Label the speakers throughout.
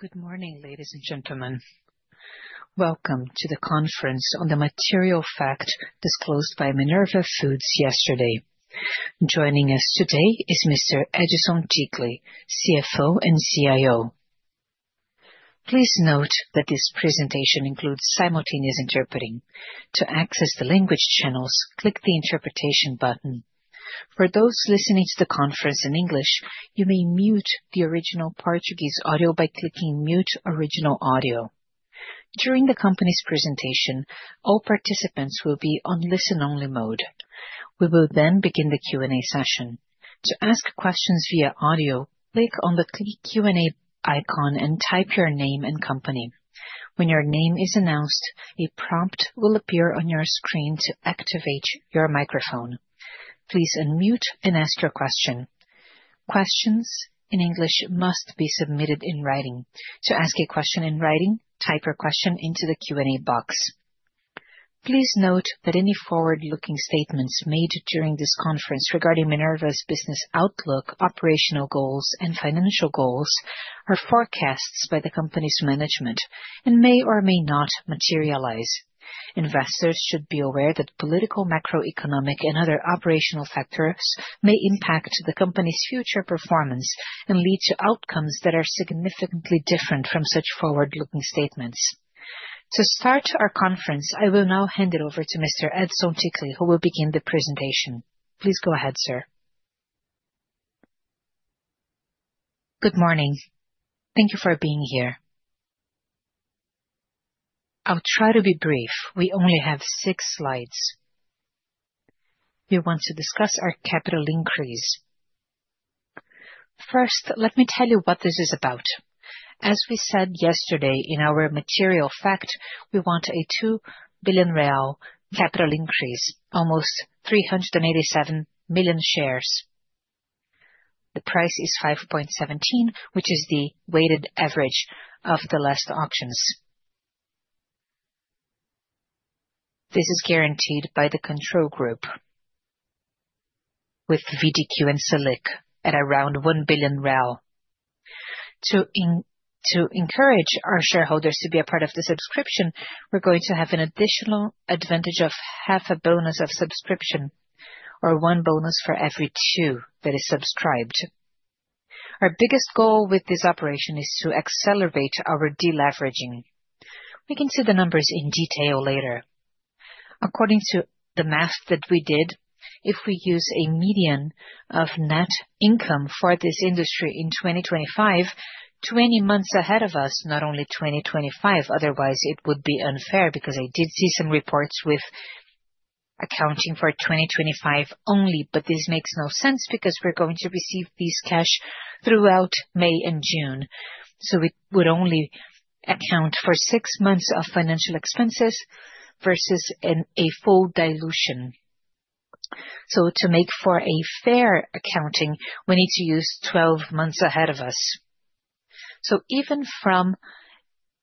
Speaker 1: Good morning, ladies and gentlemen. Welcome to the conference on the material fact disclosed by Minerva Foods yesterday. Joining us today is Mr. Edison Ticle, CFO and IRO. Please note that this presentation includes simultaneous interpreting. To access the language channels, click the interpretation button. For those listening to the conference in English, you may mute the original Portuguese audio by clicking Mute Original Audio. During the company's presentation, all participants will be on listen-only mode. We will then begin the Q&A session. To ask questions via audio, click on the Q&A icon and type your name and company. When your name is announced, a prompt will appear on your screen to activate your microphone. Please unmute and ask your question. Questions in English must be submitted in writing. To ask a question in writing, type your question into the Q&A box. Please note that any forward-looking statements made during this conference regarding Minerva's business outlook, operational goals, and financial goals are forecasts by the company's management and may or may not materialize. Investors should be aware that political, macroeconomic, and other operational factors may impact the company's future performance and lead to outcomes that are significantly different from such forward-looking statements. To start our conference, I will now hand it over to Mr. Edison Ticle, who will begin the presentation. Please go ahead, sir.
Speaker 2: Good morning. Thank you for being here. I'll try to be brief. We only have six slides. We want to discuss our capital increase. First, let me tell you what this is about. As we said yesterday in our material fact, we want a 2 billion real capital increase, almost 387 million shares. The price is 5.17, which is the weighted average of the last auctions. This is guaranteed by the control group with VDQ and SALIC at around 1 billion. To encourage our shareholders to be a part of the subscription, we're going to have an additional advantage of half a bonus of subscription or one bonus for every two that is subscribed. Our biggest goal with this operation is to accelerate our deleveraging. We can see the numbers in detail later. According to the math that we did, if we use a median of net income for this industry in 2025, 20 months ahead of us, not only 2025, otherwise it would be unfair because I did see some reports with accounting for 2025 only, but this makes no sense because we're going to receive these cash throughout May and June. It would only account for six months of financial expenses versus a full dilution. To make for a fair accounting, we need to use 12 months ahead of us. Even from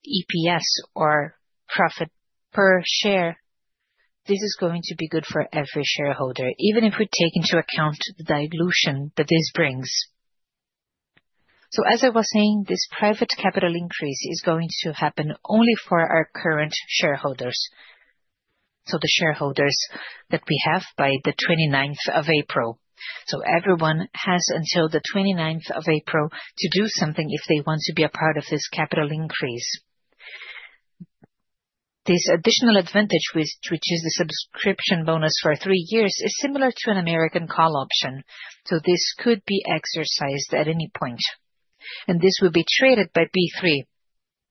Speaker 2: EPS or profit per share, this is going to be good for every shareholder, even if we take into account the dilution that this brings. As I was saying, this private capital increase is going to happen only for our current shareholders. The shareholders that we have by the 29th April. Everyone has until the 29th April to do something if they want to be a part of this capital increase. This additional advantage, which is the subscription bonus for three years, is similar to an American call option. This could be exercised at any point. This will be traded by B3.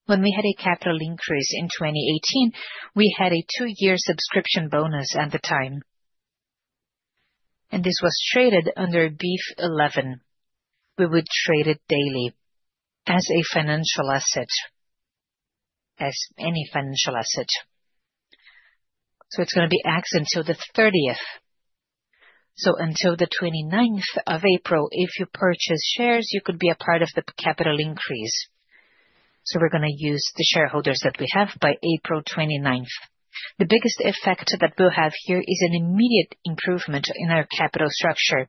Speaker 2: When we had a capital increase in 2018, we had a two-year subscription bonus at the time. This was traded under BEEF11. We would trade it daily as a financial asset, as any financial asset. It is going to be active until the 30th. Until the 29th April, if you purchase shares, you could be a part of the capital increase. We are going to use the shareholders that we have by April 29th. The biggest effect that we will have here is an immediate improvement in our capital structure.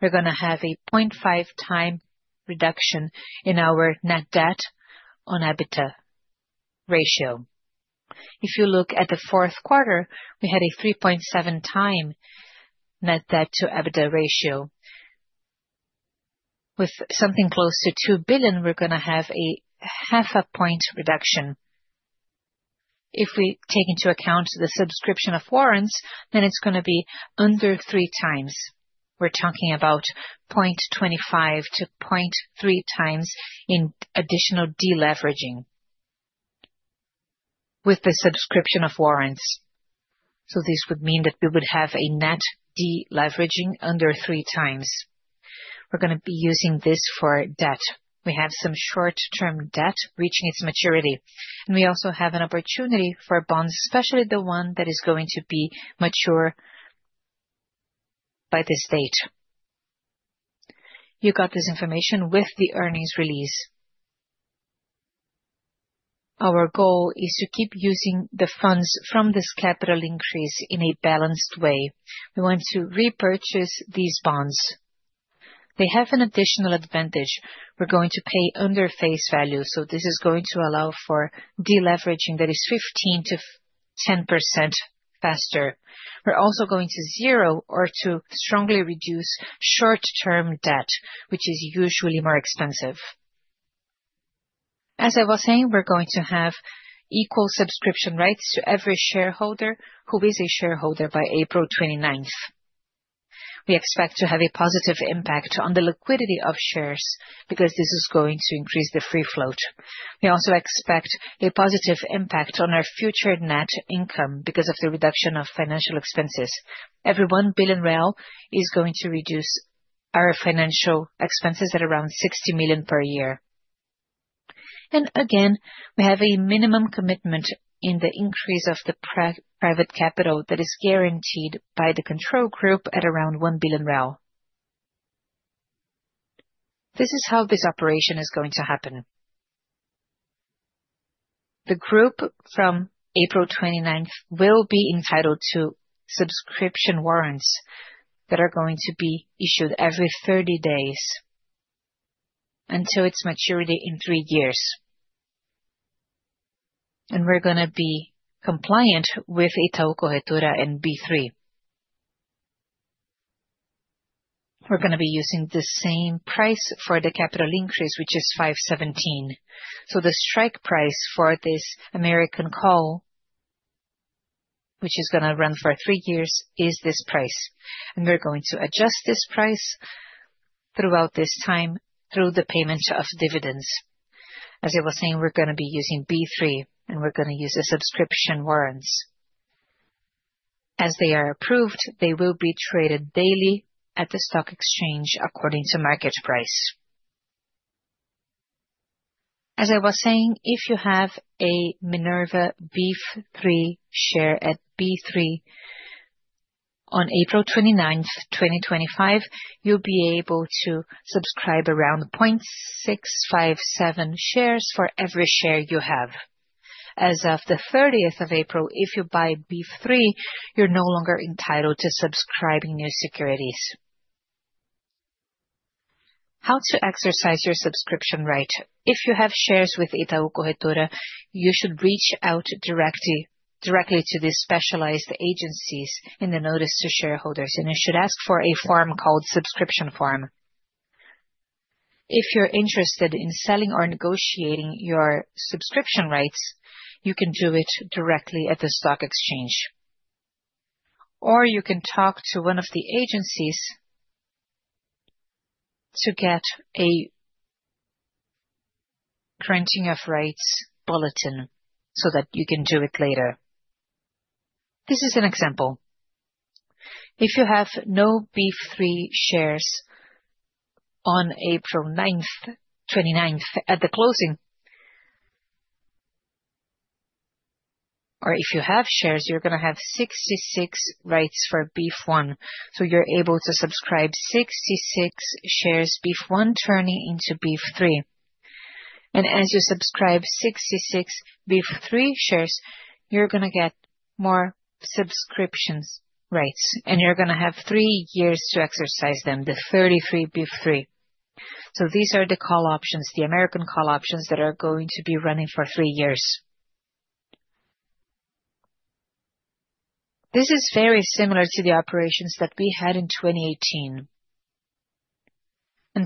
Speaker 2: We are going to have a 0.5x reduction in our net debt to EBITDA ratio. If you look at the fourth quarter, we had a 3.7x net debt to EBITDA ratio. With something close to 2 billion, we are going to have a half a point reduction. If we take into account the subscription of warrants, then it is going to be under 3x. We're talking about 0.25x-0.3x in additional deleveraging with the subscription of warrants. This would mean that we would have a net deleveraging under 3x. We're going to be using this for debt. We have some short-term debt reaching its maturity. We also have an opportunity for bonds, especially the one that is going to be mature by this date. You got this information with the earnings release. Our goal is to keep using the funds from this capital increase in a balanced way. We want to repurchase these bonds. They have an additional advantage. We're going to pay under face value. This is going to allow for deleveraging that is 15%-10% faster. We're also going to zero or to strongly reduce short-term debt, which is usually more expensive. As I was saying, we're going to have equal subscription rights to every shareholder who is a shareholder by April 29th. We expect to have a positive impact on the liquidity of shares because this is going to increase the free float. We also expect a positive impact on our future net income because of the reduction of financial expenses. Every 1 billion real is going to reduce our financial expenses at around 60 million per year. Again, we have a minimum commitment in the increase of the private capital that is guaranteed by the control group at around 1 billion. This is how this operation is going to happen. The group from April 29th will be entitled to subscription warrants that are going to be issued every 30 days until its maturity in three years. We're going to be compliant with Itaú Corretora and B3. We're going to be using the same price for the capital increase, which is 5.17. The strike price for this American call, which is going to run for three years, is this price. We're going to adjust this price throughout this time through the payment of dividends. As I was saying, we're going to be using B3, and we're going to use the subscription warrants. As they are approved, they will be traded daily at the stock exchange according to market price. As I was saying, if you have a Minerva BEEF3 share at B3 on April 29th, 2025, you'll be able to subscribe around 0.657 shares for every share you have. As of April 30, if you buy BEEF3, you're no longer entitled to subscribing new securities. How to exercise your subscription right? If you have shares with Itaú Corretora, you should reach out directly to the specialized agencies in the notice to shareholders, and you should ask for a form called subscription form. If you're interested in selling or negotiating your subscription rights, you can do it directly at the stock exchange. You can talk to one of the agencies to get a granting of rights bulletin so that you can do it later. This is an example. If you have no BEEF3 shares on April 29th at the closing, or if you have shares, you're going to have 66 rights for BEEF1. You're able to subscribe 66 shares BEEF1 turning into BEEF3. As you subscribe 66 BEEF3 shares, you're going to get more subscription rights, and you're going to have three years to exercise them, the 33 BEEF3. These are the call options, the American call options that are going to be running for three years. This is very similar to the operations that we had in 2018.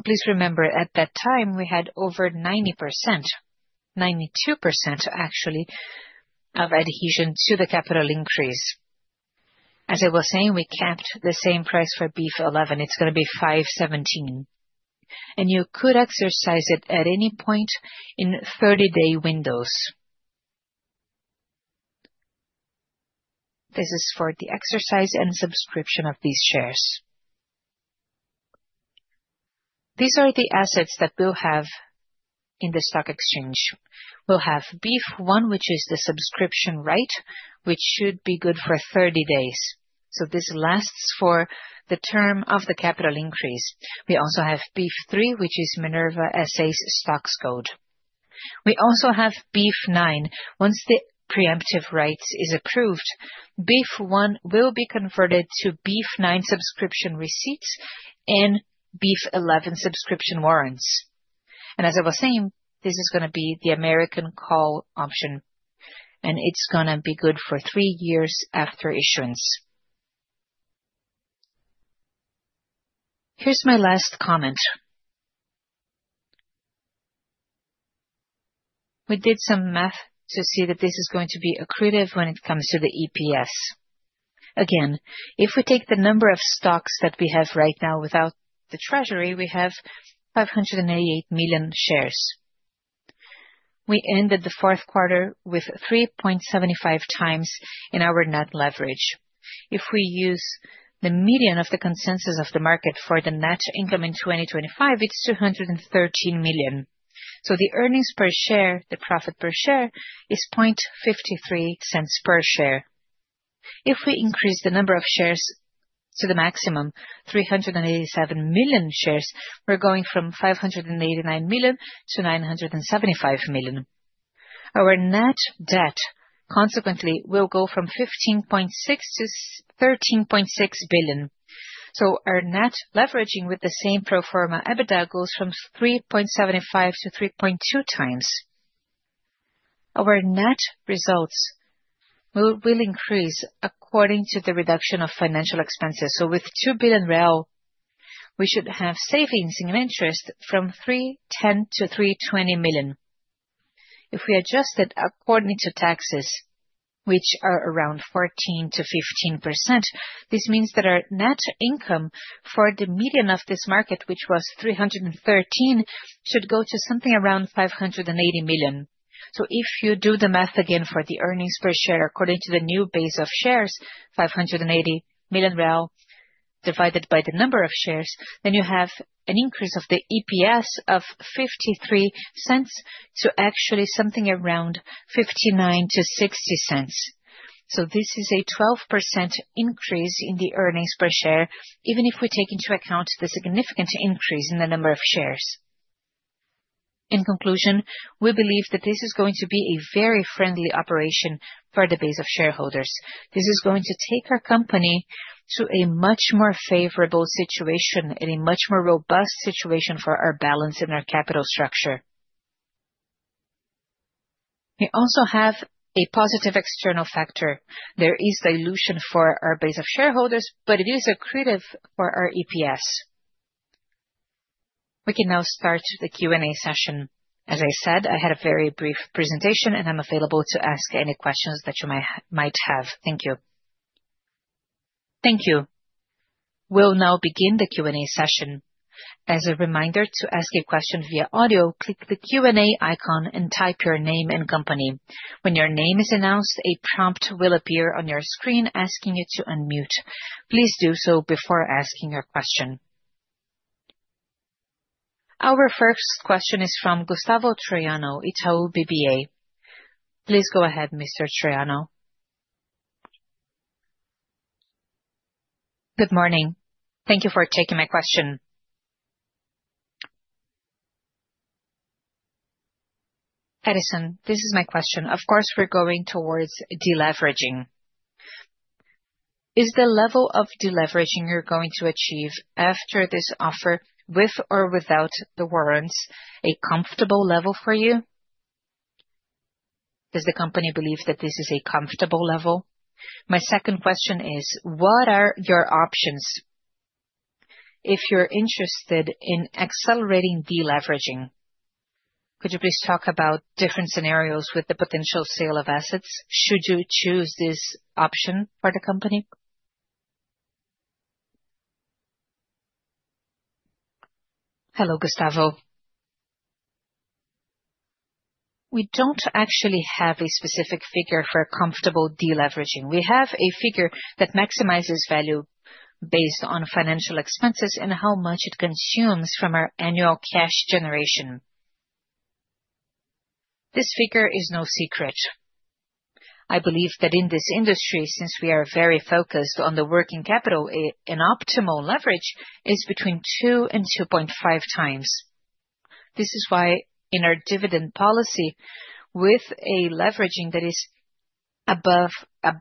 Speaker 2: Please remember, at that time, we had over 90%, 92% actually, of adhesion to the capital increase. As I was saying, we kept the same price for BEEF11. It's going to be 5.17. You could exercise it at any point in 30-day windows. This is for the exercise and subscription of these shares. These are the assets that we'll have in the stock exchange. We'll have BEEF1, which is the subscription right, which should be good for 30 days. This lasts for the term of the capital increase. We also have BEEF3, which is Minerva Foods' stock code. We also have BEEF9. Once the preemptive rights is approved, BEEF1 will be converted to BEEF9 subscription receipts and BEEF11 subscription warrants. As I was saying, this is going to be the American call option, and it is going to be good for three years after issuance. Here is my last comment. We did some math to see that this is going to be accretive when it comes to the EPS. Again, if we take the number of stocks that we have right now without the treasury, we have 588 million shares. We ended the fourth quarter with 3.75x in our net leverage. If we use the median of the consensus of the market for the net income in 2025, it is 213 million. The earnings per share, the profit per share, is 0.53 per share. If we increase the number of shares to the maximum, 387 million shares, we're going from 589 million to 975 million. Our net debt, consequently, will go from 15.6 billion to 13.6 billion. Our net leveraging with the same pro forma EBITDA goes from 3.75x to 3.2x. Our net results will increase according to the reduction of financial expenses. With 2 billion real, we should have savings in interest from 310 million to 320 million. If we adjust it according to taxes, which are around 14%-15%, this means that our net income for the median of this market, which was 313 million, should go to something around 580 million. If you do the math again for the earnings per share according to the new base of shares, 580 million divided by the number of shares, then you have an increase of the EPS of 0.53 to actually something around 0.59-0.60. This is a 12% increase in the earnings per share, even if we take into account the significant increase in the number of shares. In conclusion, we believe that this is going to be a very friendly operation for the base of shareholders. This is going to take our company to a much more favorable situation and a much more robust situation for our balance and our capital structure. We also have a positive external factor. There is dilution for our base of shareholders, but it is accretive for our EPS. We can now start the Q&A session. As I said, I had a very brief presentation, and I'm available to ask any questions that you might have. Thank you.
Speaker 1: Thank you. We'll now begin the Q&A session. As a reminder to ask a question via audio, click the Q&A icon and type your name and company. When your name is announced, a prompt will appear on your screen asking you to unmute. Please do so before asking your question. Our first question is from Gustavo Troyano, Itaú BBA. Please go ahead, Mr. Troyano.
Speaker 3: Good morning. Thank you for taking my question. Edison, this is my question. Of course, we're going towards deleveraging. Is the level of deleveraging you're going to achieve after this offer, with or without the warrants, a comfortable level for you? Does the company believe that this is a comfortable level? My second question is, what are your options? If you're interested in accelerating deleveraging, could you please talk about different scenarios with the potential sale of assets? Should you choose this option for the company?
Speaker 2: Hello, Gustavo. We don't actually have a specific figure for comfortable deleveraging. We have a figure that maximizes value based on financial expenses and how much it consumes from our annual cash generation. This figure is no secret. I believe that in this industry, since we are very focused on the working capital, an optimal leverage is between 2x-2.5x. This is why in our dividend policy, with a leveraging that is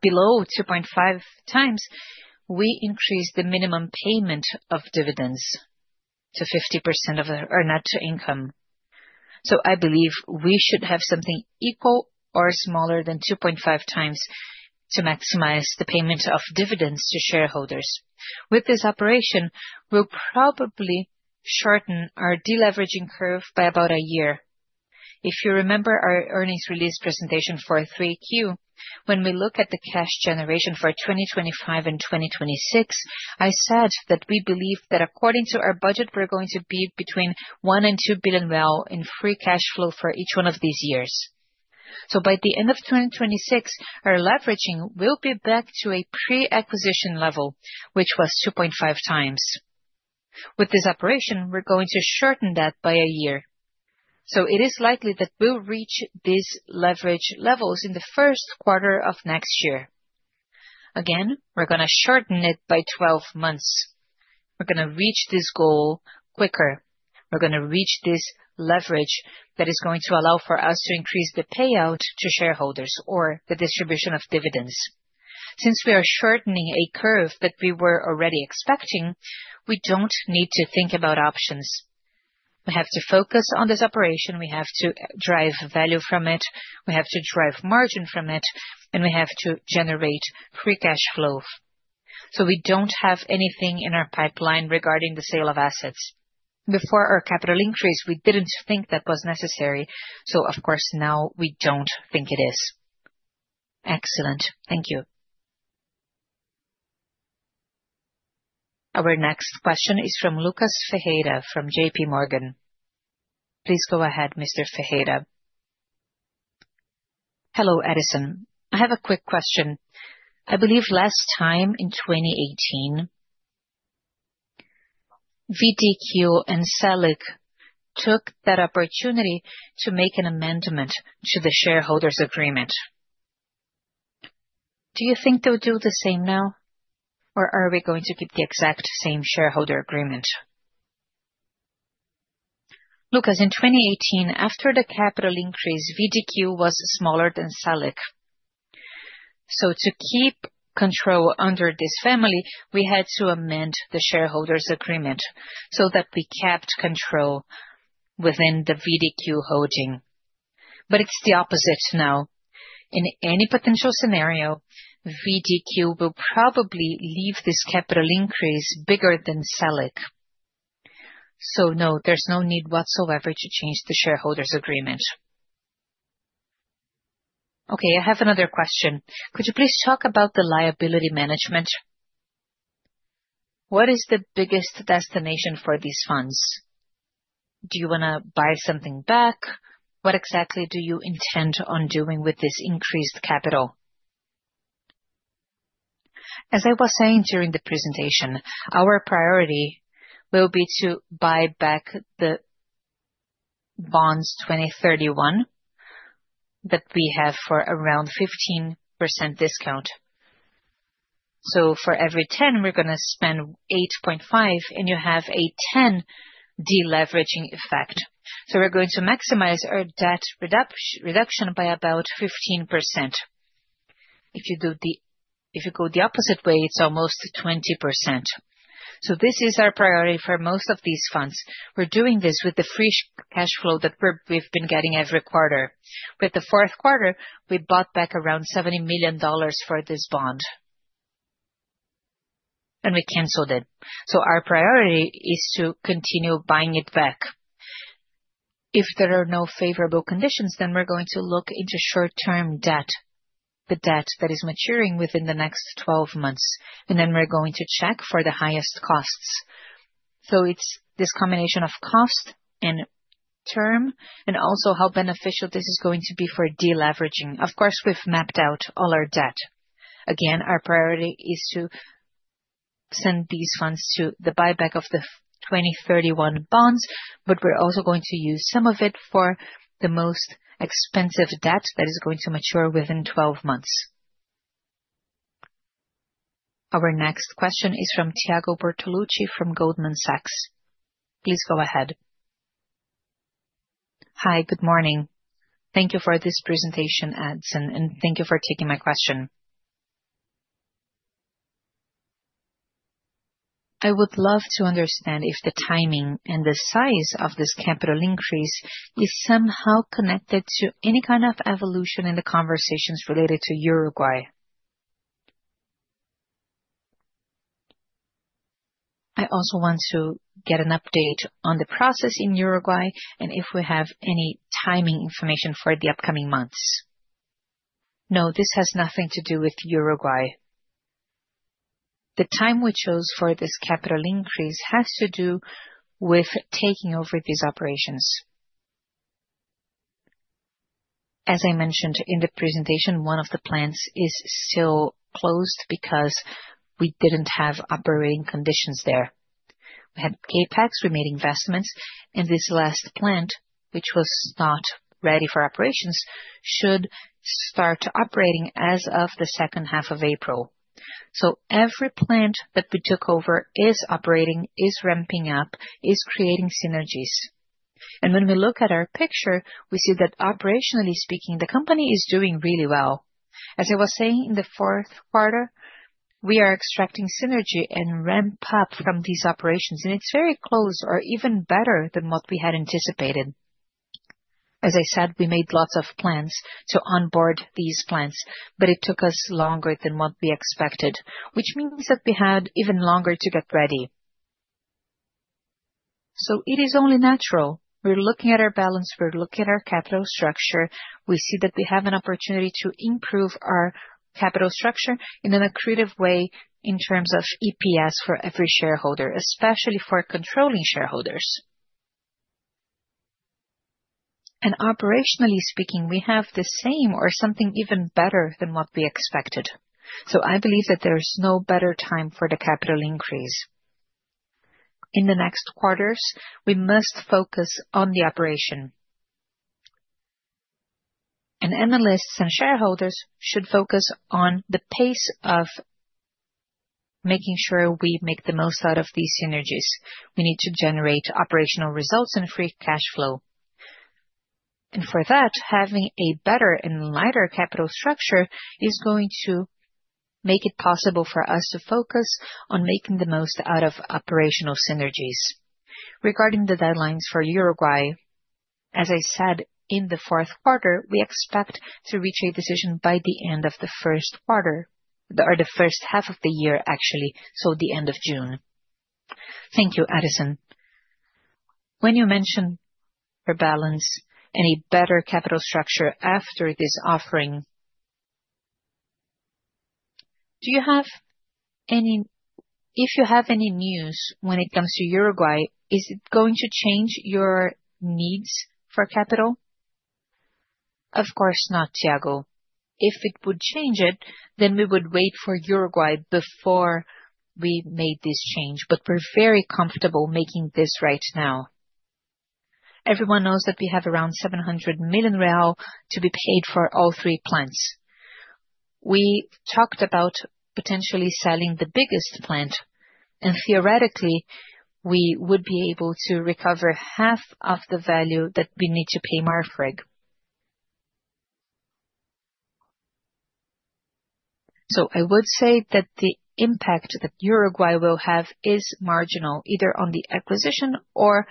Speaker 2: below 2.5x, we increase the minimum payment of dividends to 50% of our net income. I believe we should have something equal or smaller than 2.5x to maximize the payment of dividends to shareholders. With this operation, we'll probably shorten our deleveraging curve by about a year. If you remember our earnings release presentation for 3Q, when we look at the cash generation for 2025 and 2026, I said that we believe that according to our budget, we're going to be between 1 billion-2 billion in free cash flow for each one of these years. By the end of 2026, our leveraging will be back to a pre-acquisition level, which was 2.5x. With this operation, we're going to shorten that by a year. It is likely that we'll reach these leverage levels in the first quarter of next year. Again, we're going to shorten it by 12 months. We're going to reach this goal quicker. We're going to reach this leverage that is going to allow for us to increase the payout to shareholders or the distribution of dividends. Since we are shortening a curve that we were already expecting, we do not need to think about options. We have to focus on this operation. We have to drive value from it. We have to drive margin from it, and we have to generate free cash flow. We do not have anything in our pipeline regarding the sale of assets. Before our capital increase, we did not think that was necessary. Of course, now we do not think it is.
Speaker 3: Excellent. Thank you.
Speaker 1: Our next question is from Lucas Ferreira from JP Morgan. Please go ahead, Mr. Ferreira.
Speaker 4: Hello, Edison. I have a quick question. I believe last time in 2018, VDQ and SALIC took that opportunity to make an amendment to the shareholders' agreement. Do you think they will do the same now, or are we going to keep the exact same shareholders' agreement?
Speaker 2: Lucas, in 2018, after the capital increase, VDQ was smaller than SALIC. To keep control under this family, we had to amend the shareholders' agreement so that we kept control within the VDQ Holdings. It is the opposite now. In any potential scenario, VDQ will probably leave this capital increase bigger than SALIC. No, there is no need whatsoever to change the shareholders' agreement.
Speaker 4: Okay, I have another question. Could you please talk about the liability management? What is the biggest destination for these funds? Do you want to buy something back? What exactly do you intend on doing with this increased capital?
Speaker 2: As I was saying during the presentation, our priority will be to buy back the Bonds 2031 that we have for around 15% discount. For every 10, we are going to spend 8.5, and you have a 10 deleveraging effect. We're going to maximize our debt reduction by about 15%. If you go the opposite way, it's almost 20%. This is our priority for most of these funds. We're doing this with the free cash flow that we've been getting every quarter. With the fourth quarter, we bought back around $70 million for this bond, and we canceled it. Our priority is to continue buying it back. If there are no favorable conditions, we're going to look into short-term debt, the debt that is maturing within the next 12 months, and we're going to check for the highest costs. It's this combination of cost and term and also how beneficial this is going to be for deleveraging. Of course, we've mapped out all our debt. Again, our priority is to send these funds to the buyback of the 2031 Bonds, but we're also going to use some of it for the most expensive debt that is going to mature within 12 months.
Speaker 1: Our next question is from Thiago Bortoluci from Goldman Sachs. Please go ahead.
Speaker 5: Hi, good morning. Thank you for this presentation, Edison, and thank you for taking my question. I would love to understand if the timing and the size of this capital increase is somehow connected to any kind of evolution in the conversations related to Uruguay. I also want to get an update on the process in Uruguay and if we have any timing information for the upcoming months.
Speaker 2: No, this has nothing to do with Uruguay. The time we chose for this capital increase has to do with taking over these operations. As I mentioned in the presentation, one of the plants is still closed because we did not have operating conditions there. We had CapEx, we made investments, and this last plant, which was not ready for operations, should start operating as of the second half of April. Every plant that we took over is operating, is ramping up, is creating synergies. When we look at our picture, we see that operationally speaking, the company is doing really well. As I was saying in the fourth quarter, we are extracting synergy and ramp up from these operations, and it is very close or even better than what we had anticipated. As I said, we made lots of plans to onboard these plants, but it took us longer than what we expected, which means that we had even longer to get ready. It is only natural. We're looking at our balance, we're looking at our capital structure. We see that we have an opportunity to improve our capital structure in an accretive way in terms of EPS for every shareholder, especially for controlling shareholders. Operationally speaking, we have the same or something even better than what we expected. I believe that there is no better time for the capital increase. In the next quarters, we must focus on the operation. Analysts and shareholders should focus on the pace of making sure we make the most out of these synergies. We need to generate operational results and free cash flow. For that, having a better and lighter capital structure is going to make it possible for us to focus on making the most out of operational synergies. Regarding the deadlines for Uruguay, as I said, in the fourth quarter, we expect to reach a decision by the end of the first quarter or the first half of the year, actually, so the end of June.
Speaker 5: Thank you, Edison. When you mentioned your balance and a better capital structure after this offering, do you have any, if you have any news when it comes to Uruguay, is it going to change your needs for capital?
Speaker 2: Of course not, Thiago. If it would change it, then we would wait for Uruguay before we made this change, but we're very comfortable making this right now. Everyone knows that we have around 700 million real to be paid for all three plants. We talked about potentially selling the biggest plant, and theoretically, we would be able to recover half of the value that we need to pay Marfrig. I would say that the impact that Uruguay will have is marginal, either on the acquisition or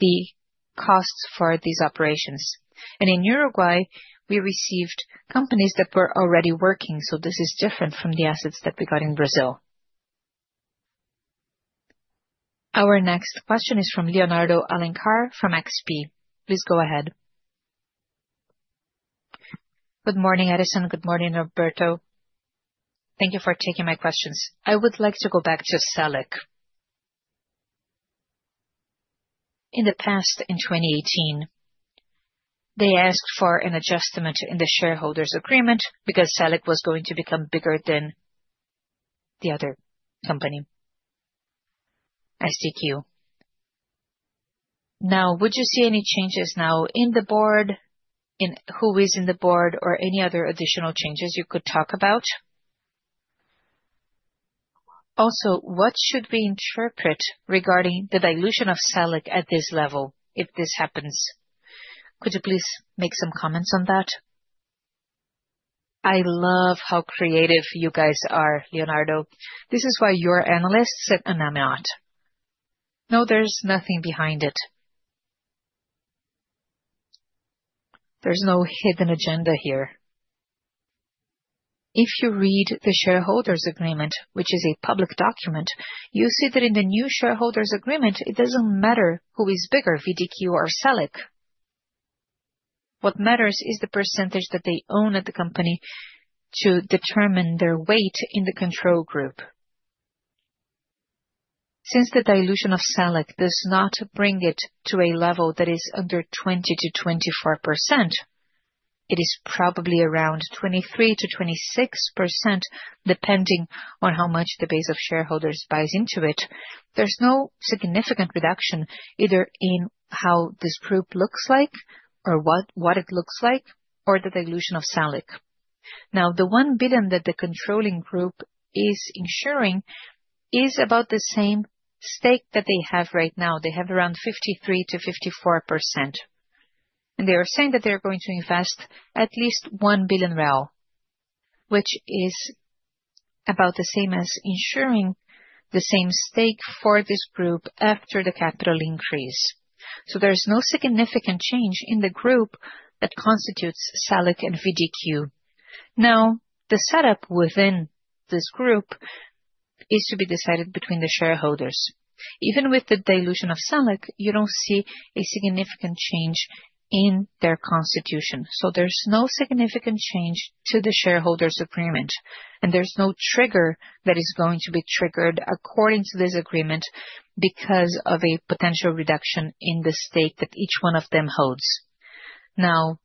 Speaker 2: the costs for these operations. In Uruguay, we received companies that were already working, so this is different from the assets that we got in Brazil.
Speaker 1: Our next question is from Leonardo Alencar from XP. Please go ahead.
Speaker 6: Good morning, Edison. Good morning, Roberto. Thank you for taking my questions. I would like to go back to SALIC. In the past, in 2018, they asked for an adjustment in the shareholders' agreement because SALIC was going to become bigger than the other company, VDQ. Now, would you see any changes now in the board, in who is in the board, or any other additional changes you could talk about? Also, what should we interpret regarding the dilution of SALIC at this level if this happens? Could you please make some comments on that?
Speaker 2: I love how creative you guys are, Leonardo. This is why your analysts said a nutmeg. No, there's nothing behind it. There's no hidden agenda here. If you read the shareholders' agreement, which is a public document, you see that in the new shareholders' agreement, it doesn't matter who is bigger, VDQ or SALIC. What matters is the percentage that they own at the company to determine their weight in the control group. Since the dilution of SALIC does not bring it to a level that is under 20%-24%, it is probably around 23%-26%, depending on how much the base of shareholders buys into it. There's no significant reduction either in how this group looks like or what it looks like or the dilution of SALIC. Now, the 1 billion that the controlling group is ensuring is about the same stake that they have right now. They have around 53%-54%. And they are saying that they're going to invest at least 1 billion, which is about the same as ensuring the same stake for this group after the capital increase. There is no significant change in the group that constitutes SALIC and VDQ. Now, the setup within this group is to be decided between the shareholders. Even with the dilution of SALIC, you don't see a significant change in their constitution. There is no significant change to the shareholders' agreement, and there is no trigger that is going to be triggered according to this agreement because of a potential reduction in the stake that each one of them holds. Now,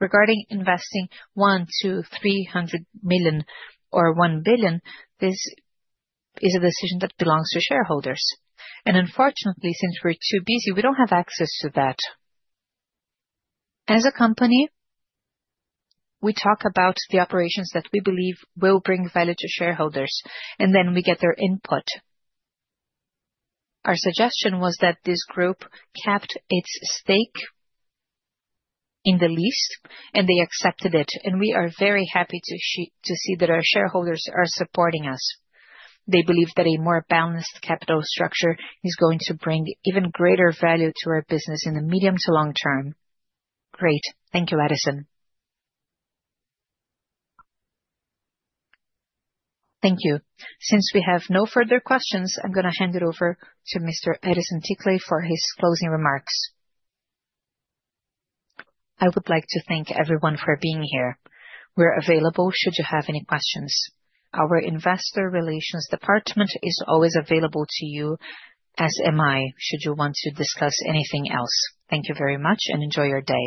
Speaker 2: regarding investing 1 million to 300 million or 1 billion, this is a decision that belongs to shareholders. Unfortunately, since we're too busy, we don't have access to that. As a company, we talk about the operations that we believe will bring value to shareholders, and then we get their input. Our suggestion was that this group kept its stake in the least, and they accepted it. We are very happy to see that our shareholders are supporting us. They believe that a more balanced capital structure is going to bring even greater value to our business in the medium to long term.
Speaker 6: Great. Thank you, Edison.
Speaker 1: Thank you. Since we have no further questions, I'm going to hand it over to Mr. Edison Ticle for his closing remarks.
Speaker 2: I would like to thank everyone for being here. We're available should you have any questions. Our investor relations department is always available to you, as am I, should you want to discuss anything else. Thank you very much and enjoy your day.